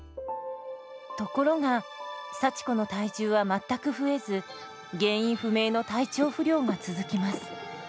ところが幸子の体重は全く増えず原因不明の体調不良が続きます。